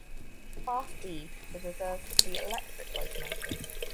Class E was reserved for the electric locomotives.